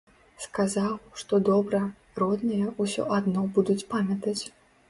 Сказаў, што добра, родныя ўсё адно будуць памятаць.